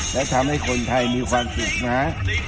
และทำให้คนไทยมีความสุขนะ